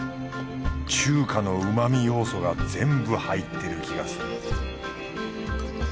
中華のうま味要素が全部入ってる気がする。